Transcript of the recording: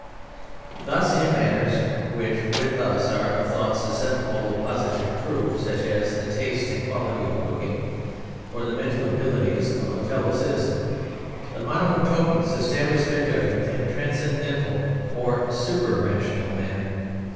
Thus, in matters which, with us, are thought susceptible of positive proof (such as the taste and quality of cooking, or the mental abilities of a fellow citizen) the Monomotapans establish their judgment in a transcendental or super rational manner.